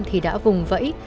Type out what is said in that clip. thì đã vùng vẫy